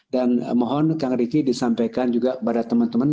dan mohon kang ricky disampaikan juga kepada teman teman